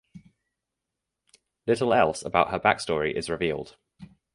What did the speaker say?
Little else about her backstory is revealed.